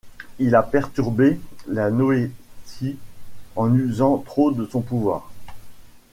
...il a perturbé la noétie en usant trop de son pouvoir...